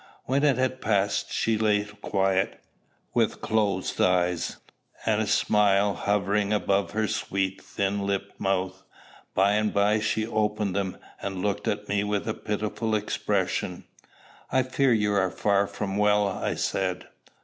When it had passed she lay quiet, with closed eyes, and a smile hovering about her sweet, thin lipped mouth. By and by she opened them, and looked at me with a pitiful expression. "I fear you are far from well," I said.